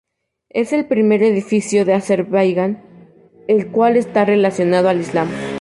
Es el primer edificio en Azerbaiyán, el cual está relacionado a Islam.